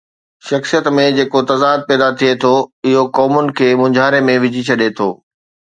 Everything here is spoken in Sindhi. شخصيت ۾ جيڪو تضاد پيدا ٿئي ٿو اهو قومن کي مونجهاري ۾ وجهي ڇڏي ٿو.